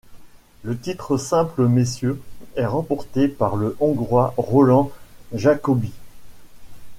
Le titre simple messieurs est remporté par le hongrois Roland Jacobi.